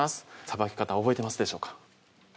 さばき方覚えてますでしょうか？